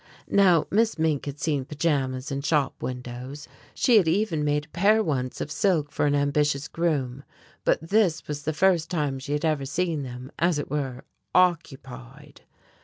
Now Miss Mink had seen pajamas in shop windows, she had even made a pair once of silk for an ambitious groom, but this was the first time she had ever seen them, as it were, occupied.